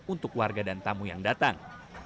untuk warga dan tamu yang datang